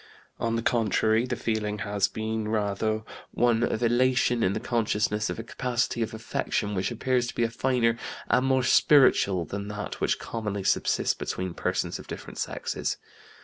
On the contrary, the feeling has been rather one of elation in the consciousness of a capacity of affection which appears to be finer and more spiritual than that which commonly subsists between persons of different sexes.